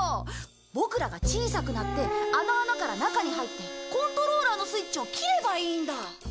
ボクらが小さくなってあの穴から中に入ってコントローラーのスイッチを切ればいいんだ！